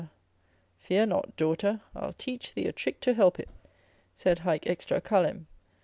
Fear not, daughter, I'll teach thee a trick to help it. Sed haec extra callem.